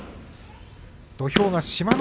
土俵は志摩ノ